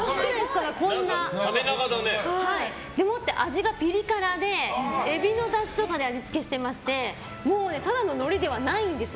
縦長だね。でもって、味がピリ辛でエビのだしとかで味付けしてましてただののりではないんです。